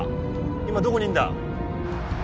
今どこにいんだ？